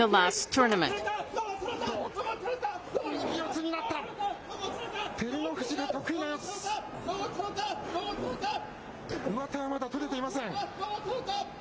上手はまだ取れていません。